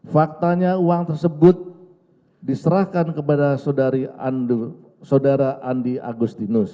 faktanya uang tersebut diserahkan kepada saudara ando